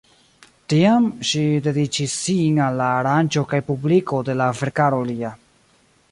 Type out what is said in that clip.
Tiam ŝi dediĉis sin al la aranĝo kaj publiko de la verkaro lia.